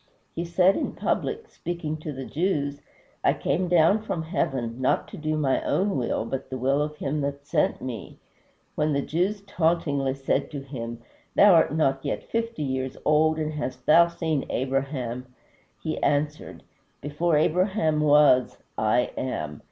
He said in public, speaking to the Jews, "I came down from heaven, not to do my own will, but the will of him that sent me." When the Jews tauntingly said to him, "Thou art not yet fifty years old, and hast thou seen Abraham?" he answered, "Before Abraham was, I AM."